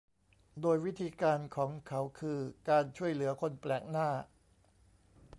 โดยวิธีการของเขาคือการช่วยเหลือคนแปลกหน้า